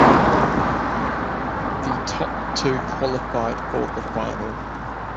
The top two qualified for the final.